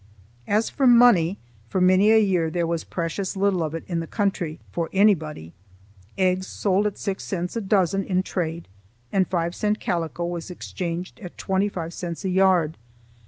As for money, for many a year there was precious little of it in the country for anybody. Eggs sold at six cents a dozen in trade, and five cent calico was exchanged at twenty five cents a yard.